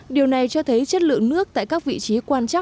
điều này cho thấy chất lượng nước tại các vị trí quan trắc